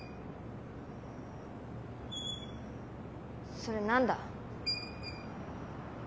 それ何だ？